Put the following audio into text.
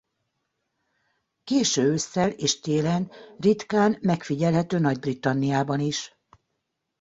Késő ősszel és télen ritkán megfigyelhető Nagy-Britanniában is.